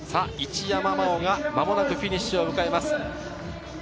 一山麻緒が間もなくフィニッシュを迎えます。